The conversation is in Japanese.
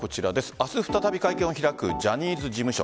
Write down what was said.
明日、再び会見を開くジャニーズ事務所。